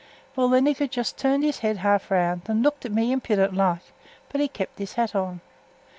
Well, the nigger just turned his head half round, and looked at me impudent like, but he kept his hat on.